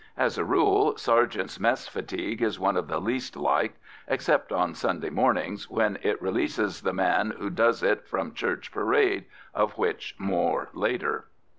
As a rule, sergeants' mess fatigue is one of the least liked, except on Sunday mornings, when it releases the man who does it from church parade of which more later.